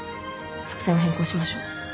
作戦を変更しましょう。